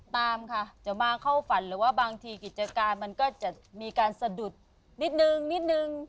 ตามค่ะจะมาเข้าฝันหรือว่าบางทีกิจการมันก็จะมีการสะดุดนิดนึงนิดนึง